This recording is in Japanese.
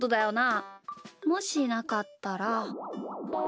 もしなかったら。